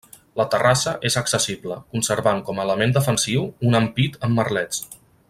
La terrassa és accessible, conservant com a element defensiu un ampit amb merlets.